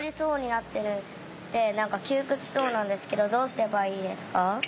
なっててきゅうくつそうなんですけどどうすればいいですか？